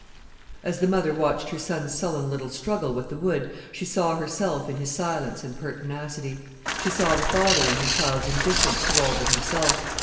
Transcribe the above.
As the mother watched her son's sullen little struggle with the wood, she saw herself in his silence and pertinacity; she saw the father in her child's indifference to all but himself.